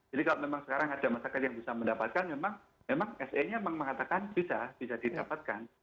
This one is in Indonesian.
jadi kalau memang sekarang ada masyarakat yang bisa mendapatkan memang se nya memang mengatakan bisa bisa didapatkan